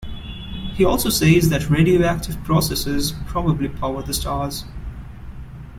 He also says that radioactive processes probably power the stars.